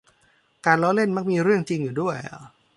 การล้อเล่นมักมีเรื่องจริงอยู่ด้วย